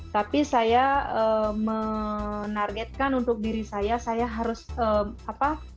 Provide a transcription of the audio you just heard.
tapi saya menargetkan untuk diri saya saya harus apa